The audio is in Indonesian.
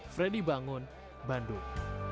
fredy bangun bandung